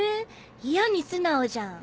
いやに素直じゃん。